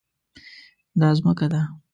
دا ځمکه ده